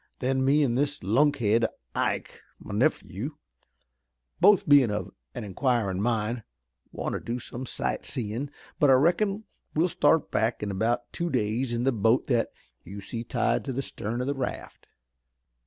Then me an' this lunkhead, Ike, my nephew, both bein' of an inquirin' mind, want to do some sight seein', but I reckon we'll start back in about two days in the boat that you see tied to the stern of the raft."